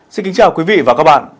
xin kính chào quý vị và các bạn